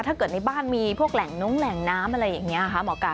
ถ้าเกิดในบ้านมีพวกแหล่งน้งแหล่งน้ำอะไรอย่างนี้ค่ะหมอไก่